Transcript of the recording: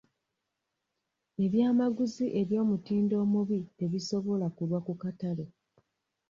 Eby'amaguzi eby'omutindo omubi tebisobola kulwa ku katale.